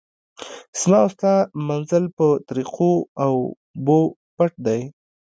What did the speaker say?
زما او ستا منزل په تریخو اوبو پټ دی.